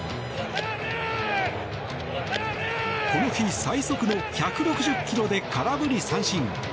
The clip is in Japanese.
この日最速の１６０ｋｍで空振り三振。